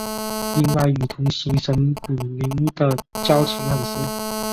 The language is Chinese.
另外与同行神谷明的交情很深。